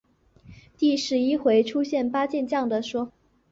第十一回出现八健将的说法。